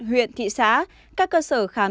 huyện thị xã các cơ sở khám